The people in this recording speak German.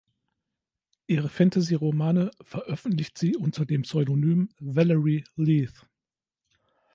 Ihre Fantasy-Romane veröffentlicht sie unter dem Pseudonym Valery Leith.